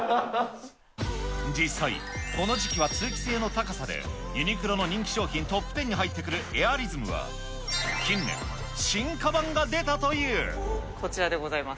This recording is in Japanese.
実際、この時期は通気性の高さで、ユニクロの人気商品トップ１０に入ってくるエアリズムは、近年、こちらでございます。